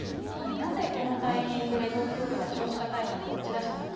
なぜこのタイミングで東京都は少子化対策を打ち出したのか。